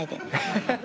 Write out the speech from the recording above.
ハハハハ。